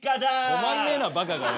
止まんねえなばかがよ。